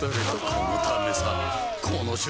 このためさ